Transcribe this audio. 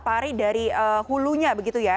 pari dari hulunya begitu ya